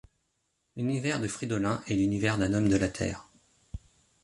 L'univers de Fridolin est l'univers d'un homme de la terre.